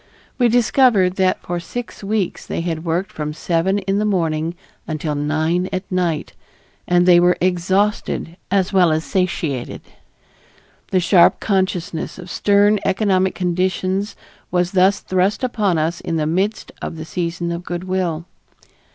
We discovered that for six weeks they had worked from seven in the morning until nine at night, and they were exhausted as well as satiated. The sharp consciousness of stern economic conditions was thus thrust upon us in the midst of the season of good will.